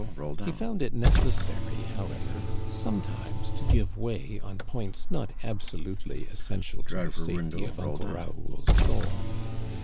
He found it necessary, however, sometimes to give way on points not absolutely essential to the safety of Uncle Raoul's soul.